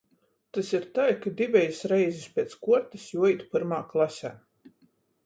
Tys ir tai, ka divejis reizis piec kuortys juoīt pyrmā klasē.